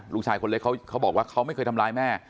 ลูกชายคนเล็กเขาบอกว่าเขาไม่เคยทำร้ายแม่